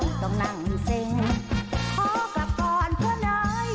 ไม่ต้องนั่งเซ็งเพราะกลับก่อนเพราะน้อย